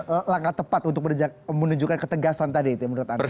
jadi langkah tepat untuk menunjukkan ketegasan tadi itu ya menurut anda